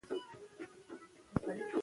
برجسته مانا غوره والی.